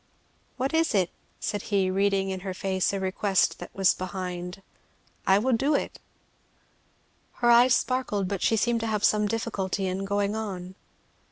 "What is it?" said he, reading in her face that a request was behind. "I will do it." Her eyes sparkled, but she seemed to have some difficulty in going on.